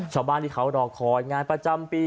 ชาวบ้านที่เขารอคอยงานประจำปี